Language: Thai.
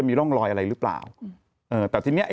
ไม่มี